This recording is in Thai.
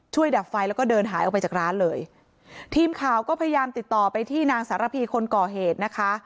ดับไฟแล้วก็เดินหายออกไปจากร้านเลยทีมข่าวก็พยายามติดต่อไปที่นางสารพีคนก่อเหตุนะคะ